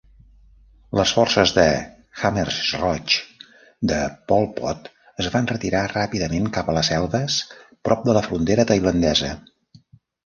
Les forces de khmers roigs de Pol Pot es van retirar ràpidament cap a les selves prop de la frontera tailandesa.